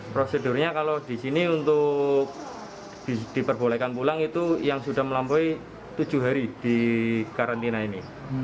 prosedurnya kalau di sini untuk diperbolehkan pulang itu yang sudah melampaui tujuh hari di karantina ini